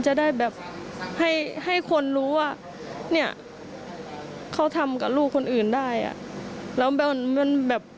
จะได้ให้หาคุณรู้ว่าเขาทำกับลูกคนอื่นได้